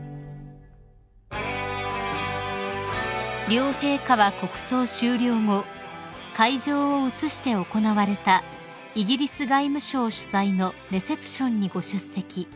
［両陛下は国葬終了後会場を移して行われたイギリス外務省主催のレセプションにご出席］